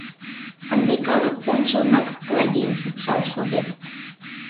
Ынде калык ончылнак Клавийым шупшал шогет!..